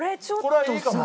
これはいいかも。